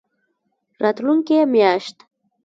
راتلونکې میاشت